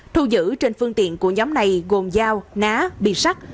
thu dữ trên phương tiện của nhóm này gồm dao ná biệt sắc